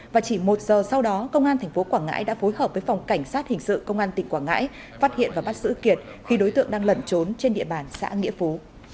và chỉ một giờ sau đó công an tp quảng ngãi đã phối hợp với phòng cảnh sát hình sự công an tỉnh quảng ngãi phát hiện và bắt giữ kiệt khi đối tượng đang lẩn trốn trên địa bàn xã nghĩa phú